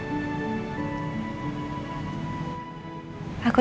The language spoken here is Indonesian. aku janji akan jadi istri yang baik ku